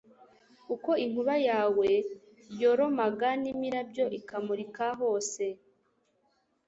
uko inkuba yawe yoromaga, n'imirabyo ikamurika hose